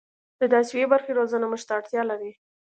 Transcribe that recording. د داسې یوې برخې روزنه موږ ته اړتیا لري.